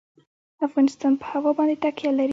افغانستان په هوا باندې تکیه لري.